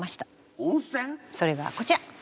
それがこちら。